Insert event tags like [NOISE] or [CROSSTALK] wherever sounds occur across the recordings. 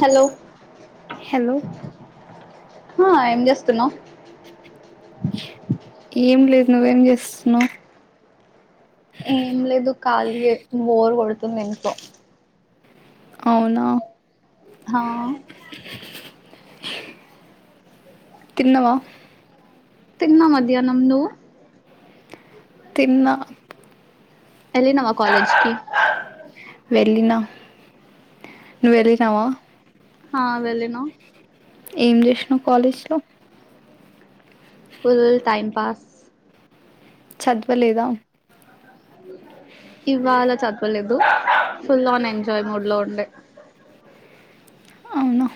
Hello hello ఏం చేస్తున్నావు్ ఏం లేదు నువ్వేం చేస్తున్నావ్ ఏం లేదు ఖాళీ బోరు కొడుతుంది ఎందూకో అవునా హా తిన్నవా తిిన్నా మధ్యానం నువ్వు తిన్నా ఎలినవ కాలేజ్కిి వెళ్ళిన నువూ వెళ్ళినావా ఆ వెళ్ళిన ఏం చేసినవ కాలేజ్ లో ఫుల్ టైమ్ పాస్ చదవలేదా ఇవాళ చదు కోలేదు ఫుల్ ఆన్ ఎంజాయ్ మూడ్ లో ఉండే అవునా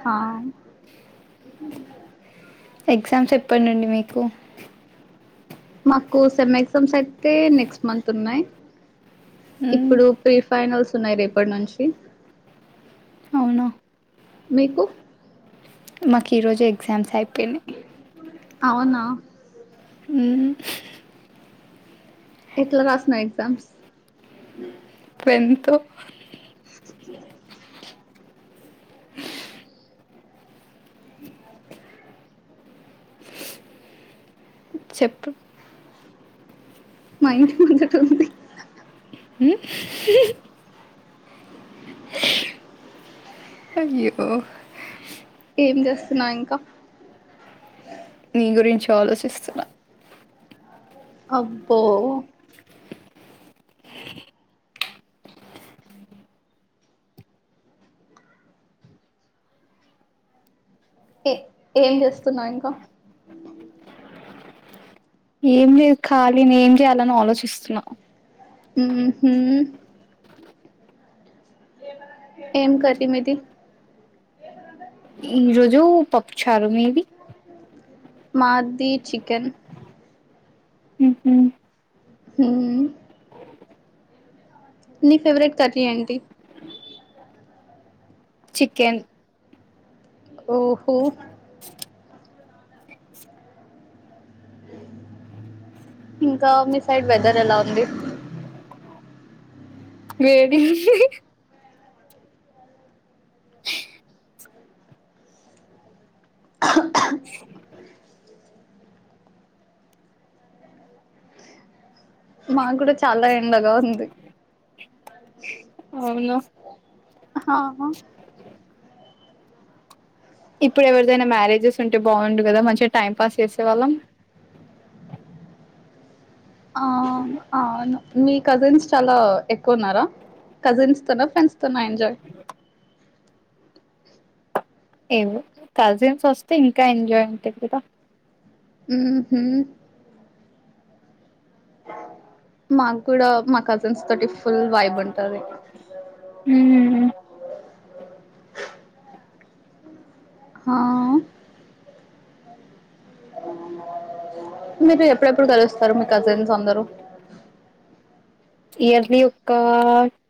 హా ఎగ్జామ్స్ ఎపుడ్నుండి మీకు మాకు సెమ్ ఎగ్జామ్స్ అయితే నెక్స్ట్ మంత్ ఉన్నాయి మ్మ్, ఇప్పుడు ప్రీ ఫైనల్స్ ఉన్నాయి రేపటి నుంచి అవునా మీకు మాకు ఈరోజు ఎగ్జామ్స్ అయిపో పని అవునా ఉమ్ ఎట్లా రాస్నా ఎజామ్స్ వెంతు అ ఇ చెప్పు మా ఇంటి ముంధాటా ఉంది ఉమ్ హు హు అయూ ఏం చేస్తున్నా ఇంకా నీ గురించి ఆలోచిస్తున్నా అబ్బో ఏ ఏం చెస్టున్నవ్ ఇంకా ఏం లేదు ఖాళీని ఏం చేయాలని ఆలోచిస్తున్నా ఉహుమ్ ఎం కర్రీ మీది ఈరోజు పప్పుచారు మీది మాది చికెన్ ఉమ్ ఉ హ్మ్ నీ ఫేవరెట్ కర్రీ ఎంటి చికెన్ ఓహో ఇంకా మీ సైడ్ వెదర్ ఎలా ఉంది వేడిగ ఉంధి అహా హ మా కూడా చాలా ఎండగా ఉంది అవునా ఆహ్ హా ఇప్పుడు ఎవరిదైనా మ్యారేజెస్ ఉంటే బాగుండు కదా మంచిగా టైం పాస్ చేసేవాళ్ళం ఆ అవును మీ కజిన్స్ చాలా ఎక్కువున్నారా. కజిన్స్ తోనా ఫ్రెండ్స్ తోనా ఎంజాయ్ ఏవో కజిన్సోస్తే ఇంకా ఎంజాయ్ ఉంటాంది కదా ఊ హు మాకూడా మా కజన్స్ తోటి ఫ్ ఫుల్ వైబుంటది మ్మ్ హ మీరు ఎప్పుడెప్పుడు కలుస్తారు మీ కజిన్స్ అందరరూ ఇయర్లీ ఒక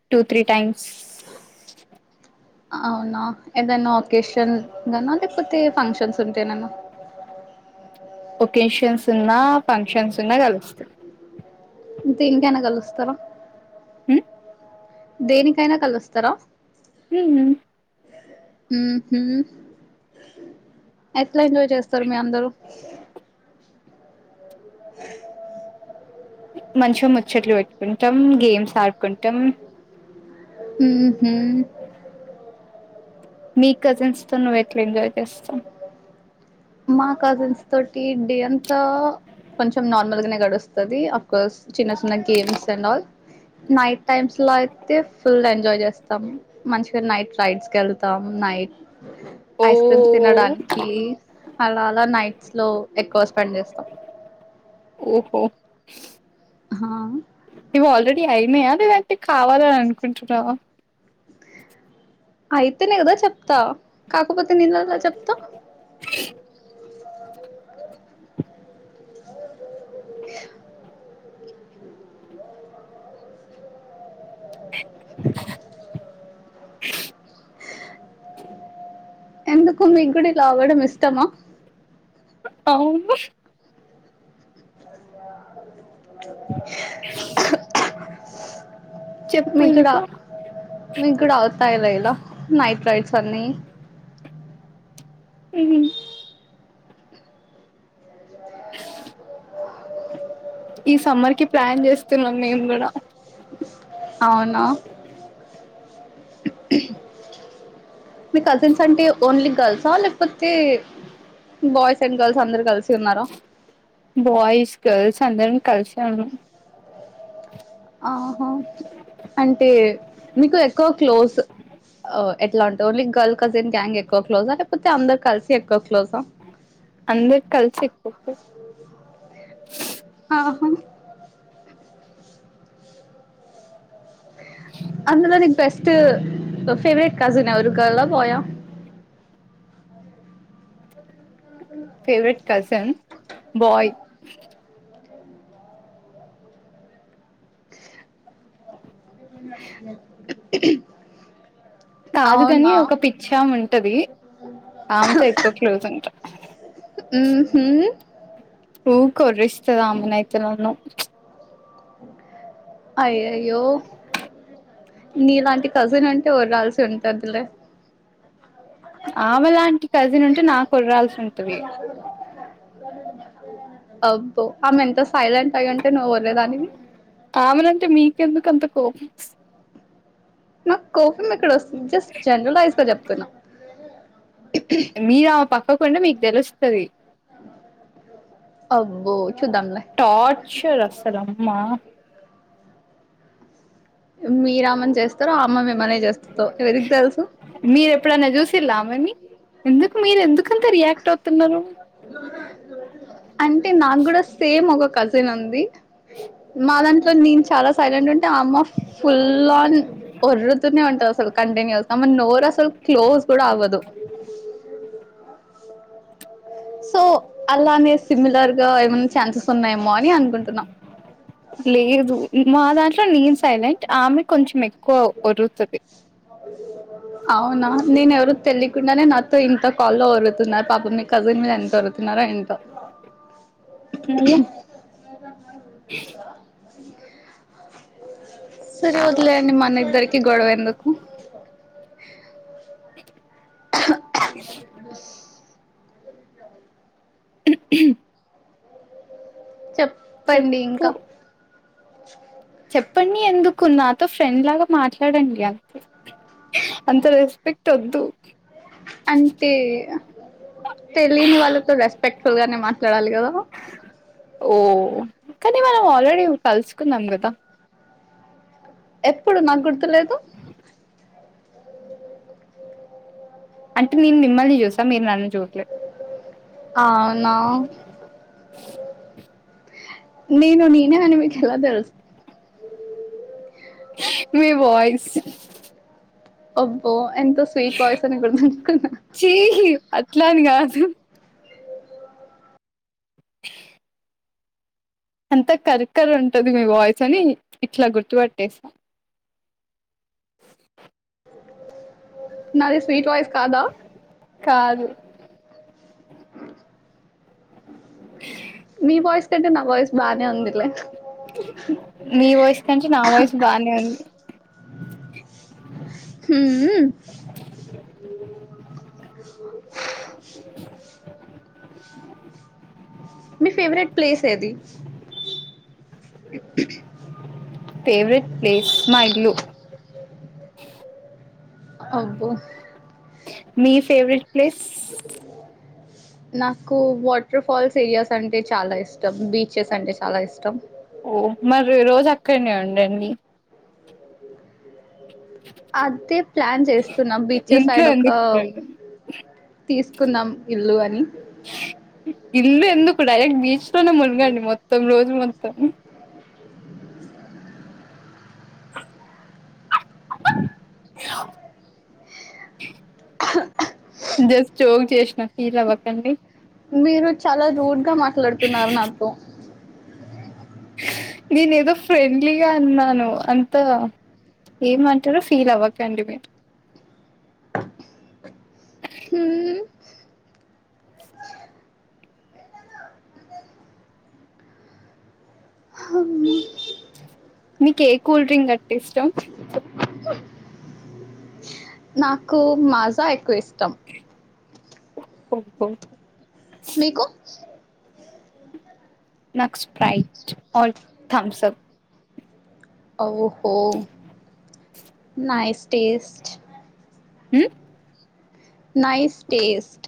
టూ త్రీ టైమ్స్ అవునా ఏదైనా ఒకేషన్ గనా లేకపోతే ఫంక్షన్స్ ఉంటేనెనా ఒకేషన్స్ ఉన్నా ఫంక్షన్స్ ఉన్నా కలుస్తా ఇంతే ఇంకేనా గలుస్తార ఉ దేనికైనా కలుస్తారా హ్మ హు ఉహు ఎట్ ట్లా ఎంజాయ్ చేస్తారు మీ అందరూ [UNINTELLIGIBLE] మంచిగా ముచ్చట్లు పెట్టుకుంటాం గేమ్స్ ఆడుకుంటాం హు హ్మ మీ కజిన్స్ తో నువ్వు ఎట్లా ఎంజాయ్ చేస్తావ్ మా కజిన్స్ తోటి డే అంతా కొంచెం నార్మల్ గానే గడుస్తది. అఫ్ కోస్ చిన్న చిన్న games and all night times లో అయితే ఫుల్ ఎంజాయ్ చేస్తాం. మంచిగా నైట్ రైడ్స్కేళ్తాం నైట్ ఓ ఐస్ క్రీమ్స్ తినడానికి అలా అలా నైట్స్ లో ఎక్కువ స్పెండ్ చేస్తాం ఓహో హా ఇవి ఆల్రెడీ అయినాయా లేదంటే కావాలన్ అనుకుంటున్నావా అయితేనే కదా చెప్తా కాకపోతే నీతో ఏలా చెప్తా [UNINTELLIGIBLE] ఎందుకు మిక్ కూడ్ కావడం ఇష్టమా అవును చెప్పు మీక్కడా ఇంకా సోన్నీ ఊ ఈ సమ్మర్ కి ప్లాన్ జేస్తున్నాం మేం గూడా అవునా మీ కజిన్స్ అంటే ఓన్లీ గర్ల్సా లేకపోతే బాయ్స్ అండ్ గర్ల్స్ అందరు కలిసి ఉన్నారా బాయ్స్ గర్ల్స్ అందరం కలిసే ఉన్నాం ఆహ అంటే మీకు ఎక్కువ క్లోజ్ ఎట్లా అంటే ఓన్లీ గర్ల్ కజిన్ గ్యాంగ్ ఎక్కువ క్లోజా లేకపోతే అందరు కలిసి ఎక్కువ క్లోజా అందరు కలిసిక్ పోతారు ఆహా అందులో నీక్ ఫస్ట్ ఫేవరెట్ కజిన్ ఎవరు గర్లా బాయా ఫేవరెట్ కజిన్ బాయ్ [UNINTELLIGIBLE] కాదు కాని అవునా ఒక పిచ్చా ఉన్ ఎది అమెతో ఎక్కువ క్లోజ్ ఉంటారు మ్మ్ హు ఊ కర్రీస్ ఇ అమ్మన అయితే నను అయ్యయ్యో నీలాంటి కజిన్ ఉంటే వ్రాల్సి ఉంటందిలే ఖక్ ఆమె లాంటి కజిన్ భీవ్ ఉంటే బ్బవ్ నాకు ఒర్రాల్సి ఉంటది భగా అబ్బో ఆమె ఎంత సైలెంట్ అయ్యుంటే నువ్వు వలేదానిది ఆమెనంటే మీకెందుకు అంత కోపం మ కోఫిమ్ ఎక్కడ వస్ జస్ట్ జనరల్ వాయిస్ తో చెప్తున్నా మీ ఆవ పక్ తప్పకుండా మీకు తెలుస్తది అబ్బో చూద్దాంలే టార్చర్ అసలు అమ్మా మీ రామన్ చేస్ స్తార అమ్మ మేమ్మనే చేస్త ఎవరికి తెలుసు మీరు ఎప్పుడైనా చూసిల్లా ఆమెని ఎందుకు మీరెందుకు కంత రియాక్ట్ అవుతున్నారు అ అంటే నాకు కూడా సేమ్ ఒక కజ్ నుంది మా దాన్ సో నేను చాలా సైలెంట్ ఉంటే ఆ అమ్మ ఫుల్ ఆన్ ఒర్రతూనే ఉంటది అసలు కంటిన్యూస్ అమ్ నోరు అసలు క్లోజ్ కూడా అవ్వదు సో అలానే సిమిలర్ గా ఏమనా ఛాన్సెస్ ఉన్నాయమ్మో అని అనుకుంటున్నా లేదు మా పో కోరుతాది అవునా నేను ఎవరు తెలియకుండానే నాతో ఇంత కాల్లో వరుతున్నారు పాప మీ కజిన్ మీద ఎంత వరు ఉన్నారు ఏంటో అయ్యో అ సరే వదిలేయండి మన ఇద్దరికి గొడవ ఎందుకు అ [UNINTELLIGIBLE] చెప్పండి చెప్పు ఇంకా చెప్పండి ఎందుకు నాతో ఫ్రెండ్లాగా మాట్లాడండి అ అంత రెస్పెక్ట్ వద్దు అంటే తెలియని వాళ్ళతో రెస్పెక్ట్ఫుల్ గానే మాట్లాడాలి కదా ఓ కానీ మనం ఆల్రెడీ కలుసుకున్నాం కదా ఎప్పుడు నాకు గుర్తులేదు అంటే నేను మిమ్మల్ని చూసా మీరు నన్ను జోకులే అవునా [INAUDIBLE] నేను నేనే అని మీకు ఎలా తెలుసు మీ వాయిస్ ఒబ్బో ఎంత స్వీట్ వాయిస్ అని గుర్తుంచుకున్నా చీ అట్లాని కాదు [INAUDIBLE] అంతా కర్కర్ ఉంటది మీ వాయిస్ అని ఇట్లా గుర్తుపట్టేస్తా నాది స్వీట్ వాయిస్ కాదా కాదు మీ వాయిస్ టంటే నా వాయిస్ బానే ఉందిలే నీ వాయిస్ కంటే నా వాయిస్ బానే ఉంది హు మీ ఫేవరెట్ ప్లేస్ ఏది ఫేవరెట్ ప్లేస్ మా ఇల్లు అబ్బో మీ ఫెవరెట్ ప్లేస్ నాకు వాటర్ ఫాల్స్ ఏరియాస్ అంటే చాలా ఇష్టం బీచెస్ అంటే చాలా ఇష్టం ఓ మరి రోజు అక్కడనే ఉండండి అదే ప్లాన్ చేస్తున్నాం బీచెస్ ఇంట్లో సైడ్ ఒక ఎందుకు ఉండండి తీసు. కున్నాం ఇల్లు అని. ఇల్లు ఎందుకు డైరెక్ట్ బీచ్. మునగండి మొత్తం రోజు మొత్త్ ఉమ్ ఆహ్ జస్ట్ జోక్ చేసిన. ఫీల్ అవ్వకండి. మీరు చాలా రూడ్ గా మాట్లాడుతున్నారు నాతో. నేను ఏదో ఫ్రెండ్లీగా అన్నాను. అంత ఏమంటారో ఫీల్ అవ్వకండి మీరు. ఉమ్ హ్మ్. మీకు ఏ కూల్ డ్రింక్ అంటే ఇష్టం. నాకు మాజా ఎక్కువ ఇష్టం. మొత్తం. ఓహో. మీకు నాకు స్ప్రైట్ ఆర్ థమ్స్ అప్. ఓహో నైస్ టేస్ట్. ఉమ్ నైస్ టేస్ట్.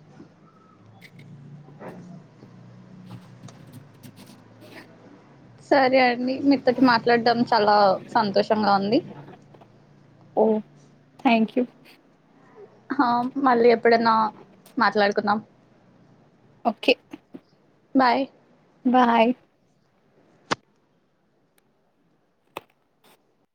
సరే అండి మీతోటి మాట్లాడటం చాలా సంతోషంగా ఉంది. ఓ థ్యాంక్ యూ. హా మళ్ళీ ఎప్పుడన్నా మాట్లాడుకుందాం ఓకే బాయ్. బాయ్.